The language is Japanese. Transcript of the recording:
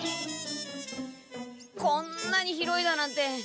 こんなに広いだなんて。